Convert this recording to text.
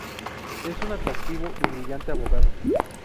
Es un atractivo y brillante abogado.